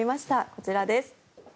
こちらです。